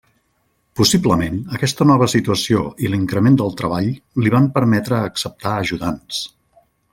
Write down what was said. Possiblement aquesta nova situació i l'increment del treball li van permetre acceptar ajudants.